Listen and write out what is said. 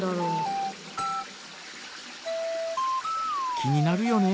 気になるよね。